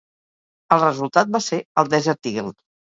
El resultat va ser el Desert Eagle.